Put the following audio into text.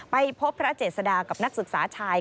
ไปพบพระเจษฎากับนักศึกษาชาย